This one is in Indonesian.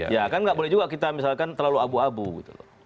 ya kan nggak boleh juga kita misalkan terlalu abu abu gitu loh